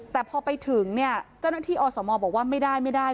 แต่พอไปถึงเจ้าหน้าที่อสมบอกว่าไม่ได้